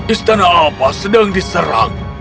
istana alfa sedang diserang